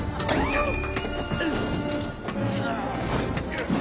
うっ！